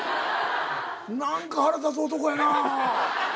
何か腹立つ男やなあ。